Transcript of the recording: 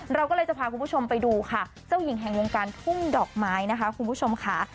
เราก็เลยจะพาคุณผู้ชมไปดูค่ะเจ้าหญิงแห่งวงการทุ่งดอกไม้นะคะคุณผู้ชมค่ะ